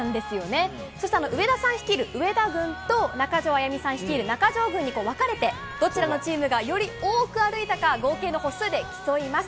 そして、上田さん率いる上田軍と中条さん率いる中条軍に分かれてどちらのチームがより多く歩いたか合計の歩数で競います。